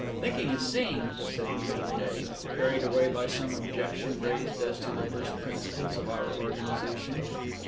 "Thinking is seeing," said he one day, carried away by some objection raised as to the first principles of our organization.